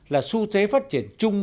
là xu thế phát triển chung